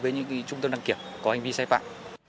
với những trung tâm đăng kiểm có hành vi sai phạm